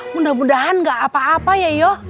mudah mudahan gak apa apa yoyo